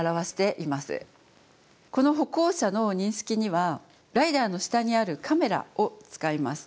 この歩行者の認識にはライダーの下にあるカメラを使います。